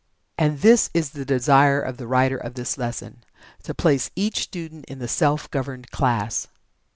And this is the desire of the writer of this lesson to place each student in the "Self governed class."